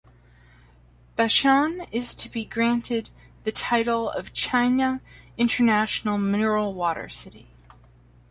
Baishan is to be granted the title of China International Mineral Water City.